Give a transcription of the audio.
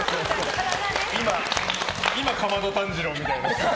今、竈門炭治郎みたいな。